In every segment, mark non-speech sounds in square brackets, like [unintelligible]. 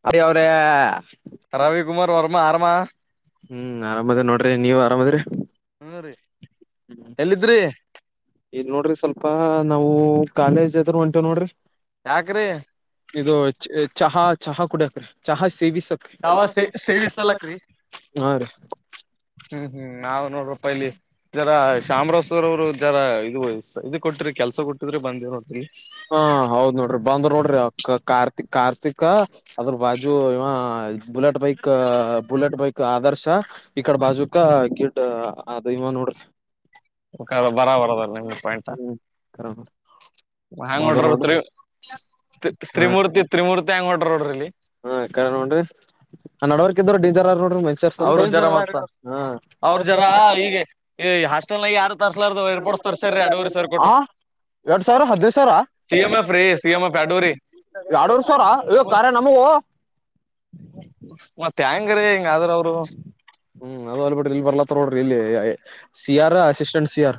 [unintelligible] ಅವ್ರೆ ರವಿಕುಮಾರ್ ವರ್ಮ ಆರಾಮ ಹ್ಮ್ ಆರಾಮದ ನೋಡ್ರಿ ನೀವ್ ಆರಾಮದ್ರಿ ಹ್ಮ್ ಎಲ್ಲಿದ್ರಿ ಇದು ನೋಡ್ರಿ ಸ್ವಲ್ಪ ನಾವು ಕಾಲೇಜ್ ಅದ್ರರು ಉಂಟೇವ್ ನೋಡ್ರಿ ಯಾಕ್ರೆ ಇದು ಚಹಾ ಚಹಾ ಕೂಡ ಚಹಾ ಸೇವಿಸ ಯಾವ ಸೇ ಸೇವಿಸಲಕ್ರಿ ಹಾ ರೀ ಹ್ಮ್ ಹ್ಮ್ ನಾವ್ ನೋಡ್ರಪ್ಪ ಇಲ್ಲಿ ಇದರ ಚಾಮರಾಜ ಸವರ್ ಅವರು ಜರ ಇದು ಇದು ಕೊಟ್ಟ್ರ ಕೆಲಸ ಕೊಟ್ಟಿದ್ರೆ [unintelligible] ಹಾ ಹೌದ್ ನೋಡ್ರಿ ಬಂದ್ರ ನೋಡ್ರಿ ಕಾರ್ತಿಕ್ ಕಾರ್ತಿಕ್ ಅದ್ರ ಬಾಜು ಇವ bullet bike bullet bike Adarsh ಇಕಡ ಬಾಜುಕ ಕಿಡ್ ಅದು ಇವ ನೋಡ ಬರ ಬರದಲ್ಲ [unintelligible] ಹ್ಮ [unintelligible] ಹ್ಯಾಂಗ ಹೊಡ್ರ ತ್ರಿತ್ ಹಾ ತ್ರಿಮೂರ್ತಿ ತ್ರಿಮೂರ್ತಿ ಹೆಂಗ ಹೊಡ್ರ ನೋಡ್ರ ಇಲ್ಲಿ ಹಾ ಕಡೆ ನೋಡ್ರಿ ನಡವರ್ಕ್ ಇದ್ರರು ಡೇಂಜರ್ರು ಅವ್ರ ಜರ ಮತ್ತ ಅವ್ರ ಜರ ಈಗ ಈ ಹಾಸ್ಟೆಲ್ ನಾಗ ಯಾರು ತರ್ಸ್ಲಾರ್ದವ [unintelligible] ಎರಡುವರೆ ಸಾವಿರ ಕೊಟ್ಟು ಹಾ ಎರಡ್ ಸಾವಿರ ಹದಿನೈದು ಸಾವಿರ ಸಿಎ ಎಫ ರೇ ಸಿಎಮ ಎಫ್ ಎರಡುವರೆ ಎರಡೂವರೆ ಸಾವಿರ ಇವ ಕಾರ್ಯ ನಮಗೂ ಮತ್ತೆ ಎಂಗ್ ರಿ ಇಂಗೆದರ ಅವರು ಹ್ಮ್ ಅದ ಹೊಲ್ಪ್ರಿ ಇಲ್ಲಿ ಬರ್ಲತ್ತ ನೋಡ್ರಿ ಇಲ್ಲಿ C R assistant C R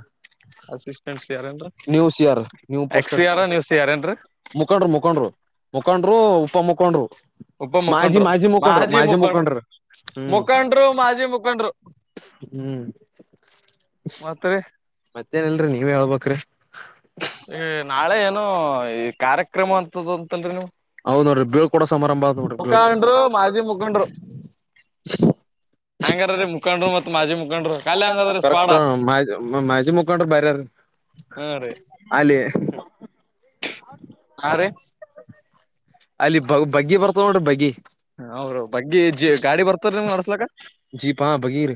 assistants ಯಾರೇನ್ರ ನೀವು ಸಿ ಆರ್ ನೀವು ಪೋಸ್ಟೆಡ್ ಎಕ್ಸಿಯಾರ ನ್ಯೂಸಿಯಾರೇನ್ರಿ ಮುಖಂಡ್ರು ಮುಖಂಡ್ರು ಮುಖಂಡ್ರು ಉಪ ಮುಖಂಡ್ರು ಉಪ ಮಾಜಿ ಮುಖಂಡ್ರು ಮಾಜಿ ಮುಖಂಡ್ರು ಮಾಜಿ ಮುಖಂಡ್ರು ಹ್ಮ್ ಆಜಿ ಮುಖಂಡರು ಹ್ಮ್ ಮತ್ತರಿ ಮತ್ತೇನಿಲ್ರಿ ನೀವ್ ಹೇಳ್ಬೇಕ್ರಿ ಈ ನಾಳೆ ಏನೊ ಈ ಕಾರ್ಯಕ್ರಮ ಅಂತದ ಅಂತದ್ ಅಂತಲ್ರಿ ನೀವು ಹೌದ್ ನೋಡ್ರಿ ಬೀಳ್ಕೊಡ ಸಮಾರಂಭ ನೋಡ್ರಿ ಮುಖಂಡ್ರು ಬೀಳ್ಕೊಡೊ ಮಾಜಿ [unintelligible] ಹಂಗಾರರೀ ಮುಖಂಡ್ರು ಮತ್ ಮಾಜಿ ಮುಖ್ ಕರೆಕ್ತು ಮಾ ಮಾಜಿ ಮುಖಂಡ್ರು ಬೇರೆ ಅವ್ರ್ ಹಾ ರೀ ಹಾ ರಿ ಅಲ್ಲಿ ಬಗ್ ಬಗ್ಗಿ ಬರ್ತಾವ ನೋಡ್ರಿ ಬಗ್ಗಿ ಅವರು ಬಗ್ಗಿ ಜ ಗಾಡಿ ಬರ್ತಾರ ನೀ ನಡ್ಸ್ಲಕ ಜೀಪ್ ಹಾ ಬಗ್ಗಿ ರೀ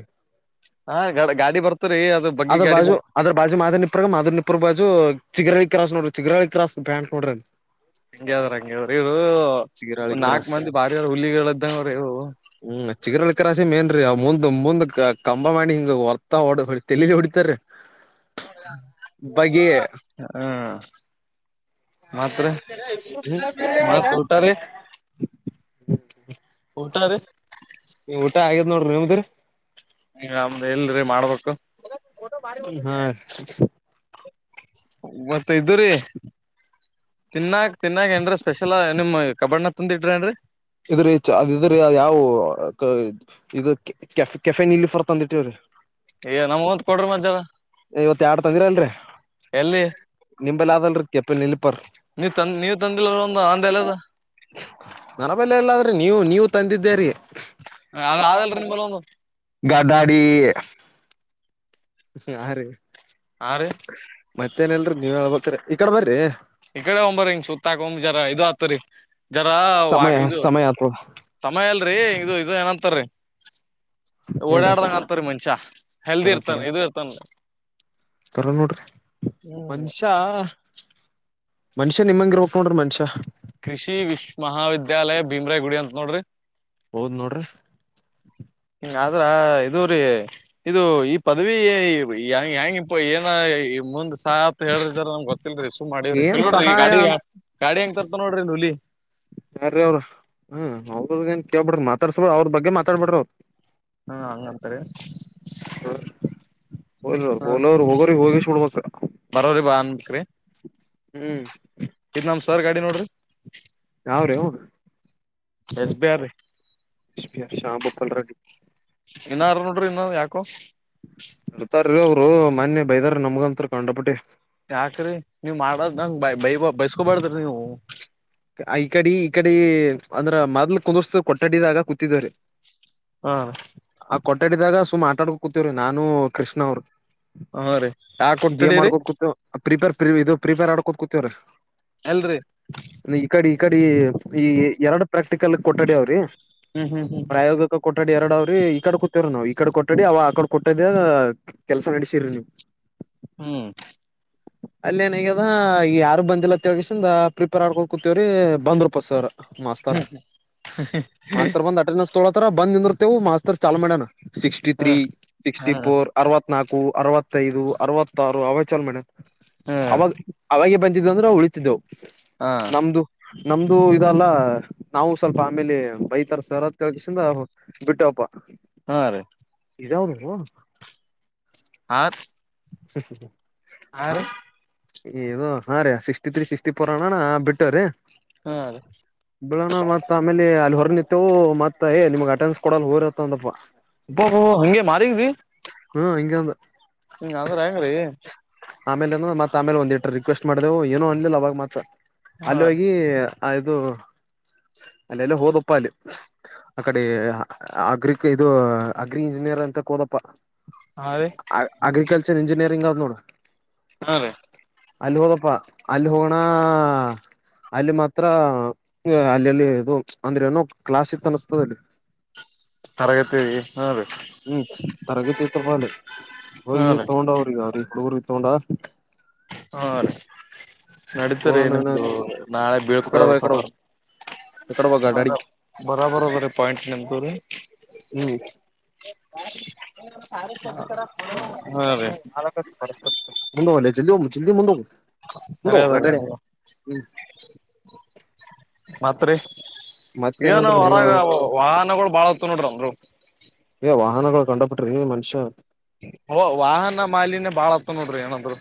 ಹಾ ಗಾಡ್ ಗಾಡಿ ಬರ್ತರಿ ಅ ಅದರ ಬಾಜು ಅದ್ರ ಬಾಜು ಮಾದ ನಿಪರಗ ಮಾದರ್ ನಿಪರ ಬಾಜು ಚಿಗರಳ್ಳಿ ಕ್ರಾ [unintelligible] ಪ್ಯಾಂಟ್ ನೋಡ್ರಿ ಹೆಂಗಗೆದ್ರ ಹಂಗದ್ರ ಇವ್ರು ಚಿಗರಾಳಿ ಒಂದ್ ನಾಕ್ ಕ್ರಾಸ್ ಮಂದಿ ಬಾರವಾರ ಹುಲ್ಲಿಗಳ ಇದ್ದ ನೋಡ್ರಿ ಇವರು ಹ್ಮ್ ಚಿಗರಲ್ಲಿ ಕ್ರಾಸಿ ಮೇನ್ರಿ ಅವ್ ಮುಂದ ದ ಮುಂದಕ ಕಂಬ ಮಾಡಿ ಹಿಂಗ ಹೊರ್ತಾ ಹೊಡ ಹೊ ತಲಿಗೆ ಹೊಡಿತಾರಿ. ಹಾ ಮತ್ ರಿ ಮತ್ ಊಟ ರೀ [unintelligible] ಟಾರೆ ಊಟ ಆಗ್ಯದ್ ನೋಡ್ರಿ ನಿಮ್ದ್ರಿ ನಮ್ದ್ ಇಲ್ರಿ ಮಾಡ್ಬೇಕು. ಹಾ ಮತ್ತ ಇದ್ದರಿ ತಿನ್ನಾಗ ತಿನ್ನಾಗ ಏನ್ರೀ ಸ್ಪೆಷಲ್ ನಿಮ್ ಕಬಾಡ್ನ ತಂದ ಇಡ್ರಿ ನ್ರಿ ಇದ್ರಿ ಚಾ ಅದ ಇದ್ರೀ ಯಾವವು ಕ ಇ ಇದು ಕೆ ಕೆಫೆ ನೀಲಿಫರ್ ತಂದಿಟ್ಟಿವ್ರಿ. ಏ ನಮಗೊಂದ್ ಕೊಡ್ರಿ ಮತ್ ಜರಾ ಇವತ್ ಯಾಡ್ ತೆಗ್ದೆನ್ ರಿ ಎಲ್ಲಿ ನಿಂಬಲ್ ಅದೇನ್ರಿ ಕೆಪೆ ನಿಲಿಪರ್ ನೀವ್ ತಂದ್ ನೀವ್ ತಂದಿಲ್ಲ ಒಂದು ಅಂದೆಲದ ನನ ಬಲ್ಲ ಎಲ್ಲಾದ್ರೆ ನೀವು ನೀವು ತಂದಿದ್ದೇ ರೀ ಹ ಅದ ಅಲ್ರಿ ನಿಂಬಲ್ಲಿ ಒಂದು. ಗಡಡಿ ಹ ಹ ರೀ ಹಾ ರೀ ಮತ್ತೇನ್ಲ್ರಿ ನೀವ ಹೇಳ್ಬರಿ ಈ ಕಡೆ ಬರ್ರಿ ಈ ಕಡೆ ಹೋಗಂಬರಿ ಹಿಂಗ್ ಸುತ್ತಾಕ ಹೋಗಮ್ ಜರಾ ಇದು ಆತದ ರಿ. ಜರ ವ ಸಮಯ ಇದು ಸಮಯ ಆತ ಸಮಯ ಅಲ್ರಿ ಇದು ಇ ಏನಂತಾರೀ ಏನ್ರೀ ಓಡಾಡ್ದಂಗ ಅರ್ತ್ರರಿ ಮನ್ಷಾ ಹೆಲ್ದಿ ಇರ್ತಾನ ಇದು ಇರ್ತಾನ ತರ ನೋಡ್ರಿ ಹ್ಮ್ ಮನುಷ್ಯ ಮನುಷ್ಯ ನಿಮ್ಮಂಗ ಇರ್ಬೆಕ್ ನೋಡ್ರಿ ಮನುಷ್ಯ ಕೃಷಿ ವಿಶ್ವ ಮಹಾವಿದ್ಯಾಲಯ ಭೀಮ್ರೇ ಗುಡಿ ಅಂತ ನೋಡ್ರಿ ಹೌದ್ ನೋಡ್ರಿ ಇದೂ ರೀ ಇದು ಈ ಪದವಿ ಹೆ ಹೆ ಹೆಂಗ ಇಂಪ ಏನ ಮುಂದ ಸಾತ್ ಹೇಳ್ರಿರ ನಮ್ ಗೊತ್ತಿಲ್ರಿ ಸು ಮಾಡಿರಿ ಏನ್ ಕಲ್ ನೋಡ್ರಿ ಸಹಾಯ ಗಾಡಿ ಅಂತ ಗಾಡಿ ಹೆಂಗ ತರ್ತ ನೋಡ್ರಿ ನುಲಿ ಯಾರ್ರೀ ಅವ್ರ ಹ ಅವ್ರದ ಏನ್ ಕೇಳ್ಬ್ಯಾಡ್ರ ಮಾತಾಡ್ಸ ಬಿ ಅವ್ರ ಬಗ್ಗೆ ಮಾತಾಡಬ್ಯಾಡ್ರ ಅವ್ರ ಹಾ ಹಂಗಂತಾರೆ ಹ ಲೋರ್ ಹೋಗೋರಿಗೆ ಹೋಗಿ ಸುಡ್ಬೇಕ ಬರೋರಿ ಬಾ ಹ್ಮ್ ಇ ನಮ ಸರ್ ಗಾಡಿ ನೋಡ್ರಿ ಅವ್ರೇ ಹ ಎಸ್ ಬಿರ್ರಿ ಎ ಶಾಮ ಭೂಪಲ್ ರೆಡ್ಡಿ ಇನ್ನಾರ ನೋಡ್ರಿ ಇನ್ನ ಯಾಕು ಇರ್ತಾರ ಅವರು ಮನ್ಯ ಬೈದಾರ ನಮ್ಗಂತರ ಕಂಡಪುಟ್ಟಿ ಯಾಕ್ರಿ ನೀವ್ ಮಾಡದ್ ನಂಗ ಬ ಬೈ ಬೈಸ್ಕೊಬಾರ್ದ್ರಿ ನೀವು ಈ ಕಡೆ ಈ ಕಡೆ ಅಂದ್ರ ಮೊದ್ಲು ಕುಂದರ್ಸತ ಕೊಟ್ಟಡಿದಾಗ ಕೂತಿದಿದ್ದಾರೆ ಹಾ ಆಟ ಆಡಿದಾಗ ಸುಮ್ಮ್ ಆಟ ಆಡ್ಕ ಕೂತಿವ್ರಿ ನಾನು ಕೃಷ್ಣ ಅವ್ರರು ಹಾ ರೀ ಯಾಕ್ ಗೇಮ್ ಕೊಟ್ಟಡೀರಿ ಆಡ್ಕೋ ಕುೂತವ ಪ್ರಿಪೇರ್ ಪ್ರ ಇದು ಪ್ರಿಪೇರ್ ಆಡ್ಕೋ ಕುೂತೇವ್ರ ಎಲ್ರಿ ಈ ಕಡೆ ಈ ಕಡೆ ಈ ಎರಡು ಪ್ರಾಕ್ಟಿಕಲ್ ಕೊಟ್ಟಡಿ ಅವ್ರಿ ಹ್ಮ್ ಹ್ಮ್ ಹ್ಮ್ ಹ್ಮ ಕೊಟ್ಟಾಡಿ ಎರಡ ಅವ್ರಿ ಈ ಕಡೆ ಕುೂತೇವ್ರ ನಾವವು ಈ ಕಡೆ ಕೊಟ್ಟಾಡಿ ಅವ ಆ ಕಡೆ ಕೊಟ್ಟದ ಕೆಲಸ ನಡೆಸಿರರಿ ನೀವ್ [inaudible] ಹ್ಮ್ ಅಲ್ಲ ಏನ್ ಹಗ್ಯದ ಯಾರು ಬಂದಿಲ್ಲ ತಿಳ್ಗಸಿಂದ ಪ್ರಿಪೇರ್ ಆಡ್ಕೊಂಡ ಕುೂತವ್ರಿ ಬಂದ್ ಪಸ್ ಮಾಸ್ತರ್ ಮಾಸ್ತರ್ ಬಂದ ಅಟ ತೊಳ ತರ ಬಂದ ನಿವು ಮಾಸ್ತರ್ ಚಾಲ್ ಮಾಡಣ ಸಿಕ್ಸ್ಟಿ ಹ್ಮ್ ಹಾ ತ್ರೀ ಸಿಕ್ಸ್ಟಿ ಹಾ ಫೋರ್ ಅರವ ತ್ ನಕು ಅರವತ್ತದು ಅರವತ್ತಾರು ಅವಾಗ ಚಲ ಮ ಅವಾಗ ಅಂದ್ರೆವು ಉಳಿತಿದ್ದೆವು ಹಾ ನಮ್ದು ನಮ್ದು ಇದಲ್ಲ ನಾವು ಸ್ವಲ್ಪ ಆಮೇಲೆ ಬೈತರ ಸರ ಕೆಳ್ಸಿಂದ ಬಿಟ್ಟವಪ್ಪ ಹಾ ರೀ ಇದದು ಹ ಸ ಸ ಸ ಆ ಏ ಹಾ ರೀ ಸಿಕ್ಸ್ಟಿ ತ್ರೀ ಸಿಕ್ಸ್ಟಿ ಫೋರ್ ಅಣೋಣ ಬಿಟ್ಟ್ರೀ ಹಾ ರೀ ಬಳೋಣ ಮತ್ತ ಆಮೇಲೆ ಅಲ್ಲಿ ಹೊರ ನಿತ್ತವು ಮತ್ ಏ ನಿಮಗ್ಗೆ ಅಂಡನ್ಸ್ ಕೊಡೋ ಹೋರ್ತ್ತ ಅಂತಪ್ಪ ಹಂಗೆ ಮಾರಿದ್ವಿ ಹ್ಮ ಹಿಂಗಂದ ಹಂಗ ಅ್ರ ಹೆಂಗ್ರೀ ಆಮೇಲೆ ಏನು ಮತ್ತತ್ ಆಮೇಲೆ ಒಂದಿಟ್ಟ ರಿಕ್ವೆಸ್ಟ್ ಮಾಡಿದೆವು ಏನೋ ಅನ್ಲಿಲ್ಲ ಅವಾಗ ಮತ್ತ ಹಾ ಅಲ್ಲಿ ಹೋಗಿ ಆ ಇದು ಅಲ್ಲೆಲ್ಲ ಹೋದಪ್ಪ ಅಲ್ಲಿ ಅಕಡೆ ಅಗ್ರಿಕ ಇದು ಅಗ್ರಿ ಇಂಜಿನಿಯರ್ ಅಂತ ಕ ಹೋದಪ್ಪ ಹಾ ರೀ ಅಗ್ರಿಕಲ್ಚರ್ ಎಂಜಿನಿಯರಿಂಗ್ ಅನ್ನಡ ಹಾ ರೀ ಅಲ್ಲಿ ಹೋದಪ್ಪಾ ಅಲ್ಲಿ ಹೋಗೋಣ ಅಲ್ಲಿ ಮಾತ್ರ ಅಲ್ಲಿಲ್ಲಿ ಇದು ಅಂದ್ರೆ ಏನೋ ಕ್ಲಾಸಕ್ ಅನಸ್ತದೆಲ್ಲಿ [unintelligible] ತರಗತಿ ಹಾ ರೀ ಹ್ಮ್ ತರಗತಿ ತ ಬಳಿ ಹಾ ಹೋಗಿ ರೀ ತಗೊಂಡವ್ರಿಗೆ ಅವ್ರಿರ ಎೊಂಡಾ ಹಾ ರೀ ನಡೀತಾರೆ ತಗೋಣ ನಿಮ್ದು ನಾಳೆ ಬೀಳ್ಕೊಡ ಇಕಡ ಬಾ ಇಕಡ ಸಾರ ಬಾ ಇಕಡ ಬಾ ಗಾಡಿ ಬರಬರ ವರ ಪಂಟ್ ನಿಮಕುದು ಹ್ಮ್ ಹ ಮುಂದ ಜೋಗ ಜಲ್ಮುಂದ ಹೋಗ ಹ ಸರಿ ಅದ ರೀ ವಟರ ಹ್ಮ ಮತ್ರಿ ಏನು ಮತ್ತೇನಲ್ರಿ ನೀವ್ ಹೊರಗ ಹೇಳ್ಬೇಕು ವಾಹನಗಳು ಬಾಳತ್ ನೋಡ್ರಿನ್ರು ಏ ವಾಹನಗಳು ಕಂಡ ಬಿಟ್ರಿ ಮನುಷ್ಯ ಓ ವಾಹನ ಮಾಲಿನ್ಯ ಬಾಳತ ನೋಡ್ರಿ ಏನಾದ್ರು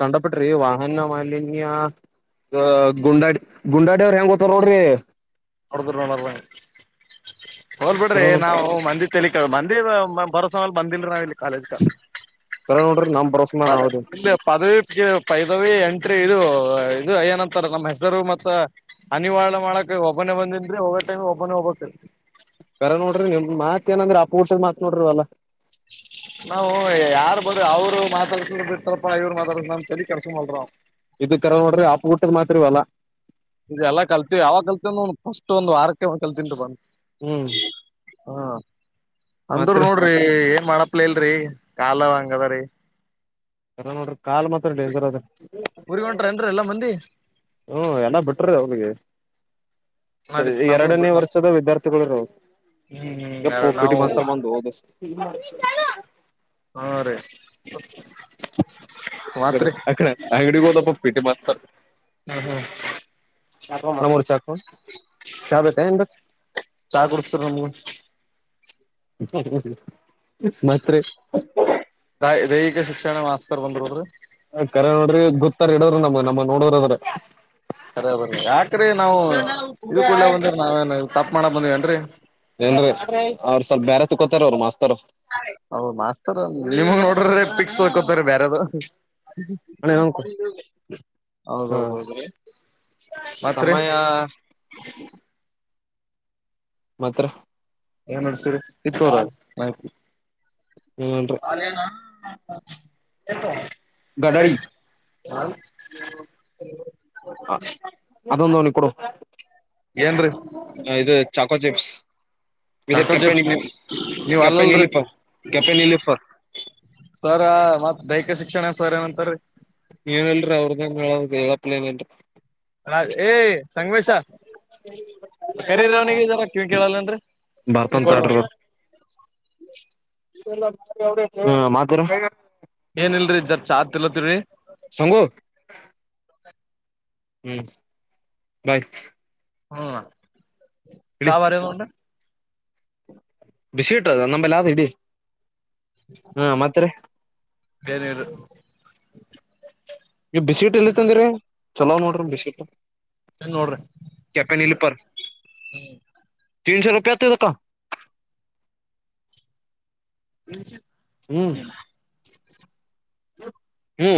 ತಂಡಪಟ್ರಿ ವಾಹನ ಮಾಲಿನ್ಯ ಗುಂಡಾಡಿ ಗುಂಡಾಡಿಯ ಅವ್ರ ಹೆಂಗ ಗತ್ತಾರ ನೋಡ್ರಿ ಹೊಡದ ನೋಡ ತಗಲ್ ಬಿಡ್ರಿ ನಾವು ಮಂದಿ ಲಿ ಕೇಳ ಮಂದಿ ಬರೋಸಲ್ ಬಂದಿಲ್ರಿ ನಾವ್ ಇಲ್ಲಿ ಕಾಲೇಜ್ಗ ಕರ ನೋಡ್ರಿ ನಮ್ ಬರೋಸ್ ಮ್ಯಾಲ್ ಪ ನಾವ್ ಅದಿವ್ ಇಲ್ಲ ಪದವಿ ಪೈದವಿ ಎಂಟ್ರಿ ಇದು ಇದು ಏನಂತಾರೆ ನಮ್ಮ್ ಹೆಸರು ಮತ್ತ ಅನಿವಾರ್ಯ ಮಾಡಕ ಓಪನ್ ಬಂದ್ರೆ ವರ್ ಟೈಮ್ ಓಪನ್ ಹೋಗ್ಬೇಕ ಕರ ನೋಡ್ರಿ ನಿಮ್ ಮಾತ್ ಏನಂದ್ರ ಅಪ ಹರ್ಸದ ಮಾತ್ ನೋಡ್ರಿವಲ್ಲಾ ನಾವು ಯಾರು ಬಂದು ಅವ್ರು ಮಾತಾಡ್ಕೊಂಡ್ ಬಿತಪ್ಪಾ ಇವ್ ಮಾತಡ್ತನ ಅಂತ ಕರ್ಸಕೋಲ್ರ್ ಇದ ಕರ ನೋಡ್ರಿ ಹಪ್ ಬಿಟ್ಟದ ಮಾತ್ರಿವಲ್ಲ ಇದೆಲ್ಲ ಕಲ್ತವಿ ಯಾವಾಗ ಕಲ್ತವಂದ ಒ ಫಸ್ಟ್ ಒಂದು ವಾರಕ್ಕೆ ಒ ಕಲ್ತಿಂಟು ಬಂದಿ ಹ್ಮ್ ಹ್ಮ ಅಂದ್ರ ಮತ್ರಿ ನೋಡ್ರಿ ಏ ಮಾಡಪ್ಲ ಇಲ್ರರಿ ಕಾಲ ಹಂಗದ ರೀ ರ ನೋಡ್ರಿ ಕಾಲ್ ಮಾತ್ರ ಡೇಂಜರ್ ಅದ್ರ ಊರಿಗ್ ಹೊಂಟ್ರೇನ್ರಿ ಎಲ್ಲಾ ಮಂದಿ ಹ್ಮ ಎಲ್ಲ ಬಿಟ್ರೀ ಅವಳಿಗೆ ಸರಿ ನಡಿತ್ ನಮಗ್ ಎರಡನೇ ಬಿಡ್ ವರ್ಷದ ವಿದ್ಯಾರ್ಥಿಗಳುರ ಹ್ಮ್ ಹ್ಮ್ ಗಪ್ಪ ಪಿಟಿ ನಾವು ಬಸ್ತ ಬಂದು ಹದಷ್ಟ ಹಾ ರೀ ಅಡೆ ಮಾತ್ರಿ ಅಡೆ ಅಂಗಡಿಗ ಹೋದಪ್ಪ ಪೇಟಿ ಮಾಡ್ತಾರೆ ಹ್ಮ್ ಹ್ಮ್ ಮರ್ಚ ಆಕು ಚಾ ಕುಡ್ಸ್ತಾರೆ ನಮ್ಗೆ ಮತ್ತೆ ದ ದೈಹಿಕ ಶಿಕ್ಷಣ ಮಾಸ್ಕರ್ ಬಂದ್ರೋರಿ ಕರೆ ನೋಡ್ರಿ ಗೊತ್ತಾರ ಇಡೋದ್ರ ನಮ ನಮ್ಮ ನೋಡದ್ರದ್ರ ಅರ ಬರ್ರ ಯಾಕ್ರೀ ನಾವು ಇದ ಕಳ್ಳೆ ಬಂದ್ರ ನಾವೇ ತಪ್ಪ ಮಾಡಕ್ ಬಂದಿವವಿನ್ರೀ ಏನ್ ಅವ್ರು ಸ್ವಲ್ಪ ಬೇರೆ ತಕೋತಾರ ಅವರು ಮಸ್ತ್ ಹೌದ ಮಾಸ್ತರ್ ನಿಮ ನೋಡ್ರ ಪಿಕ್ಸ್ ತಕೋತಾರ ಬೇರದು ಅಣ್ಣ ಇನ್ನೊಂದ್ ಕೊಡ್ ಹಾ ಹೌದೌದ ಹೌದು ಸಮಯ ಮಾತ್ರ ಏನ್ ನಡ್ಸೀರಿ ಇತ್ತುರ ಮಾಹಿತಿ ಹ್ಮ ಎತ್ತ ಗಡಡಿ ಹ ಹ ಅದೊಂದು ಅವನ ಕೊಡು ಏನ್ರರಿ ಇದು ಚಾಕೋ ಚಿಪ್ಸ್ ಇದು ಚಾಕೋ ಜೆಪ್ಸ್ ಕೆಪೆನಿ ನೀವು ನೀವ್ ಅಲ್ಲಲ್ರಿ ಕೆಪೆನಿಲಿಪ ಕೆಪೆನಿಲಿಫರ್ ಸರ್ ಮತ್ ದೈಹಿಕ ಶಿಕ್ಷಣ ಸರ್ ಏನಂತಾರೆ ಏನಲ್ರರಿ ಅವ್ರದೇನ್ ಹೇಳೋದ ಹೇಳಪ್ಲ ಏನಲ್ರರಿ ಹ ಏ ಸಂಗಮೇಶ ಕರರ ಅವನಿಗೆ ಜರ ಕವ್ ಕೇಳಲ್ಲ ಅಂದ್ರೆ ಬರ್ತ ಅಂತಡ್ರ ಹ್ಮ ಮಾತಾರ ಏನ್ಲ್ರರಿ ಜರ್ ಚಾ ತಿಲತ್ತರಿ ಸಂಗು ಹ್ಮ್ ಬಾಯ್ ಹ್ಮ ಇಡಿ ಚ ಬರದುಟ ಬಿಸಿ ಇಟ್ಟದ ನಂಬಲ್ಲ ಆದ ಇಡೀ ಬೇನರು ಬಿಸ್ಿಟ್ ಎಲ್ಲಿತ್ತಂದ್ರರಿ ಚಲೋ್ ನೋಡ್ರಿ ಬ್ಿಟ್ ಏನ್ ನೋಡ್ರಿ ಕೆಪೆನ್ ಇಲ್ಪ ತೀನ್ ಸೋ ರೂಪೆತ್ತುದಕ್ಕ ಎ ಹ್ಮ್ ಹಊ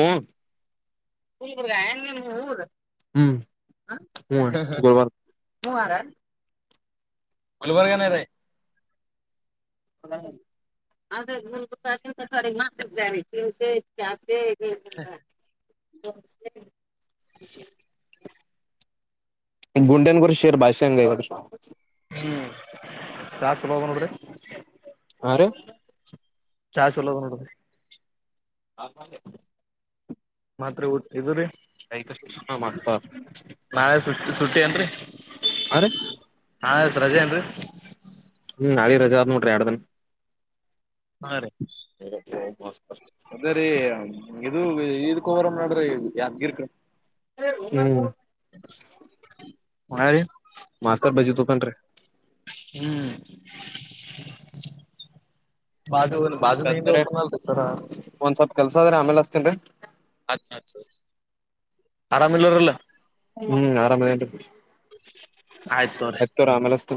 ಹ್ಮ್ ಹ ಗುಲ್ಬ ಗುಲ್ಬರ್ಗನರ ಅದೇ ಗುಂತ ಮಾ್ದ ಚಸ ಚ ಹ ನ ಚೆ ಗುಂಡನಗುರ ಶರ್ ಬಷಂಗ ಹ್ಮ್ ಚಾ ಚಲ ನೋಡ್ರ ಮ ಚಾ ಚುಲ್ಲದ ನೋಡದು ಹ ಮಾತ್ರ ಊ ಇರಿ ಕೈಕಸಷನ್ನ ಮಾಗ್ತ ನಾಳೆ ಸುಟ್ಟಿ ಸುಟ್ಟಿ ಏನ್ರಿ ಅರೆ ರಜೆಂತ ಟ್ರ ಆಡದನೆ ಹಾ ರ ಅದ ರೀ ಇದು ರ ಮಾಡಡ್ರಿ ಯಾದ್ಗಿರಿ ಕ ಹ್ಮ್ ಹ ರೀ ಮಾಸ್ತರ್ ಬಜಿ ತೂಕನ್ರಿ ಹ್ಮ್ ಬಾಜು ಬಾಜು ನ ದವ ತ ನ ಸರ ದ್ರೆ ಆಮೇಲೆ ಅಷ್ಟತ ಅ ಆರಾಮ ಇಲ್ಲರಲ್ಲ ಹ್ಮ್ ಆರಾಮದ ಆಯ್ತು ಆಯ್ತು ತೋರಿ ಆಮ ಎಲ್ಲತ